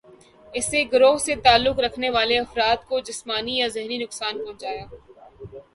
اس گروہ سے تعلق رکھنے والے افراد کو جسمانی یا ذہنی نقصان پہنچانا